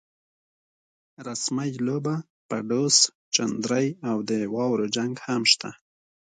رسمۍ لوبه، پډوس، چندرۍ او د واورو جنګ هم شته.